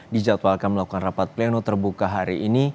dijadwalkan melakukan rapat pleno terbuka hari ini